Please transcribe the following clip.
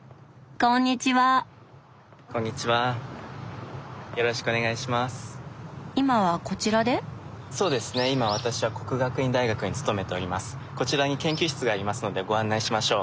こちらに研究室がありますのでご案内しましょう。